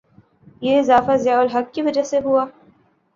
یہ اضافہ ضیاء الحق کی وجہ سے ہوا؟